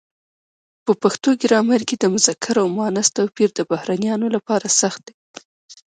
په پښتو ګرامر کې د مذکر او مونث توپیر د بهرنیانو لپاره سخت دی.